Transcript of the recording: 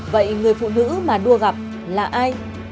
vậy người phụ nữ mà đua gặp là ai